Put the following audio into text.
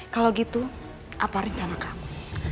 kalau gitu apa rencana kamu